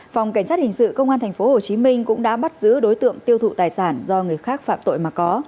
phòng cảnh sát hình sự công an tp hcm cũng đã bắt giữ đối tượng tiêu thụ tài sản do người khác phạm tội mà có